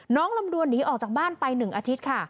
ลำดวนหนีออกจากบ้านไป๑อาทิตย์ค่ะ